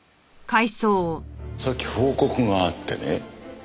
さっき報告があってね。